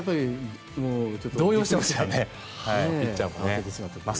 動揺しますよねピッチャーも。